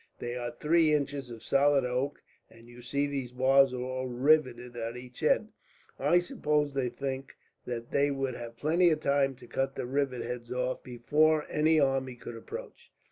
"They are three inches of solid oak, and you see these bars are all riveted at each end. I suppose they think that they would have plenty of time to cut the rivet heads off, before any army could approach."